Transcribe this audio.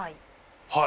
はい。